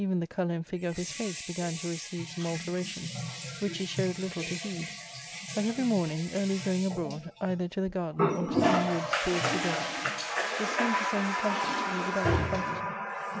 9 the colour and figure of his face began to receive some altera tion, which he showed little to heed ; but every morning, early going abroad, pither to the garden or to some woods towards the desert, it seemed his only comfort to be without a comforter.